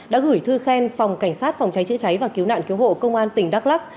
đã gửi thư khen phòng cảnh sát phòng cháy chữa cháy và cứu nạn cứu hộ công an tỉnh đắk lắc